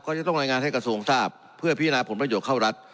ก็จะต้องรายงานให้กระทรวงทราบเพื่อพิจารณาผลประโยชน์เข้ารัฐ